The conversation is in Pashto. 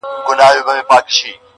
لا تر تا نه خوش رفتار دی، هغه کس